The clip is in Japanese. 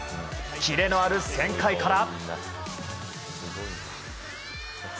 キレのある旋回から。